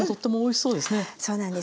そうなんです。